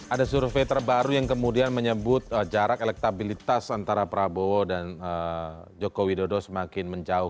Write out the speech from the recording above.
ada survei terbaru yang kemudian menyebut jarak elektabilitas antara prabowo dan joko widodo semakin menjauh